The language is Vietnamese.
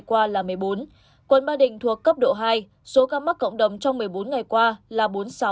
qua là một mươi bốn quận ba đình thuộc cấp độ hai số ca mắc cộng đồng trong một mươi bốn ngày qua là bốn mươi sáu